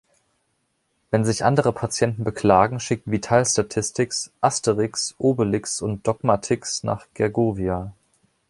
Wenn sich andere Patienten beklagen, schickt Vitalstatistix Asterix, Obelix und Dogmatix nach Gergovia.